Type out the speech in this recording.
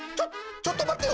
ちょっとまってよ！